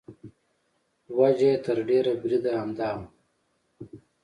وجه یې تر ډېره بریده همدا وه.